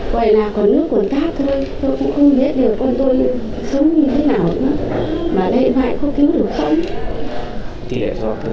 vậy là có nước còn thác thôi tôi cũng không biết được